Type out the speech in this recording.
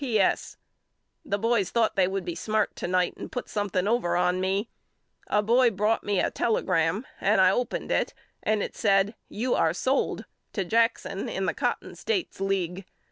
P. S. The boys thought they would be smart to night and put something over on me. A boy brought me a telegram and I opened it and it said You are sold to Jackson in the Cotton States League.